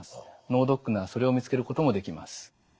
脳ドックならそれを見つけることもできます。